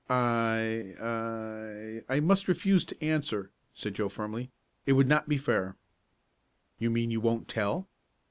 "I I I must refuse to answer," said Joe firmly. "It would not be fair." "You mean you won't tell?"